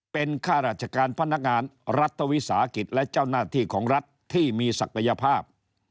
เป็นข้าราชการพนักงานรัฐวิสาหกิจและเจ้าหน้าที่ของรัฐที่มีศักยภาพ